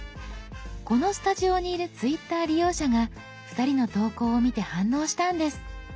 このスタジオにいるＴｗｉｔｔｅｒ利用者が２人の投稿を見て反応したんです。